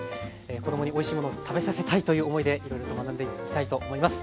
子どもにおいしいものを食べさせたいという思いでいろいろと学んでいきたいと思います。